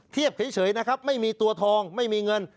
เฉยนะครับไม่มีตัวทองไม่มีเงิน